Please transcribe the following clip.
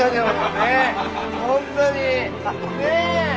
ねえ！